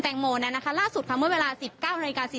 แจ้งโมเนี้ยนะคะล่าสุดคำว่าเวลาสิบเก้าในรายการสี่